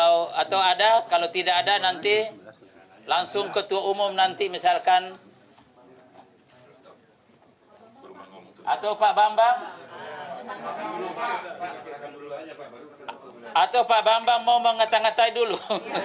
assalamu'alaikum warahmatullahi wabarakatuh